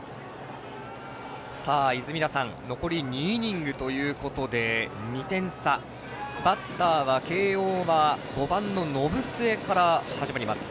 泉田さん残り２イニングということで２点差、バッターは慶応は５番の延末から始まります。